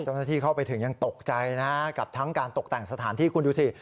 ตอนที่เข้าไปถึงตกใจกับการตกแต่งสถานที่คุณดูสิ